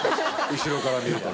後ろから見るとね。